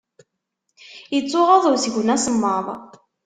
Ittɣaḍ usgen asemmaḍ.